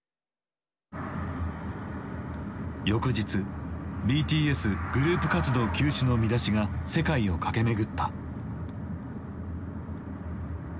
翌日ＢＴＳグループ活動休止の見出しが世界を駆け巡った。